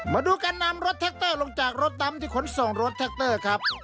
มาดูการนำรถแท็กเตอร์ลงจากรถดำที่ขนส่งรถแท็กเตอร์ครับ